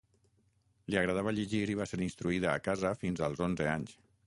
Li agradava llegir i va ser instruïda a casa fins als onze anys.